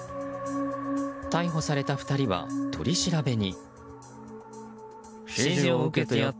逮捕された２人は、取り調べに。